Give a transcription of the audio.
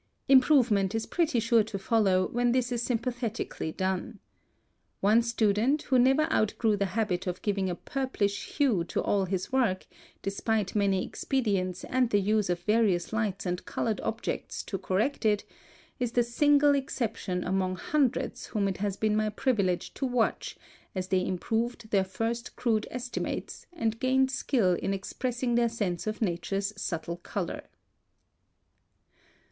Improvement is pretty sure to follow when this is sympathetically done. One student, who never outgrew the habit of giving a purplish hue to all his work, despite many expedients and the use of various lights and colored objects to correct it, is the single exception among hundreds whom it has been my privilege to watch as they improved their first crude estimates, and gained skill in expressing their sense of Nature's subtle color. [Footnote 34: See Color Blindness in Glossary.